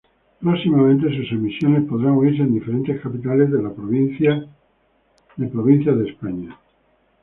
Próximamente, sus emisiones podrán oírse en diferentes capitales de provincia de España.